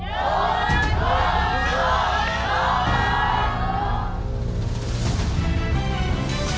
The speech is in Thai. สวัสดีครับ